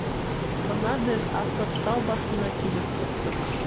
Бына беҙ асыҡ тау башына килеп сыҡтыҡ.